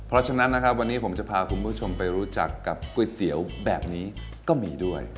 เพราะฉะนั้นนะครับวันนี้ผมจะพาคุณผู้ชมไปรู้จักกับก๋วยเตี๋ยวแบบนี้ก็มีด้วย